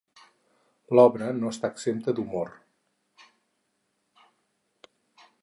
L'obra no està exempta d'humor.